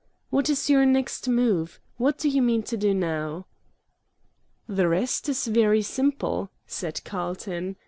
"What is your next move? What do you mean to do now?" "The rest is very simple," said Carlton.